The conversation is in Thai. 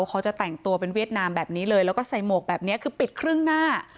เขาจะแต่งตัวเป็นเวียดนามแบบนี้เลยแล้วก็ใส่หมวกแบบนี้คือปิดครึ่งหน้า